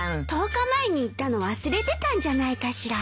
１０日前に言ったの忘れてたんじゃないかしら。